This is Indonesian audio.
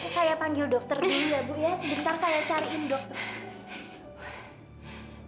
saya panggil dokter dulu ya bu ya sebentar saya cariin dokter